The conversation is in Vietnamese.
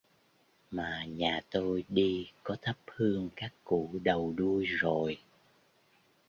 Mà Nhà tôi đi có thắp hương các cụ đầu đuôi rồi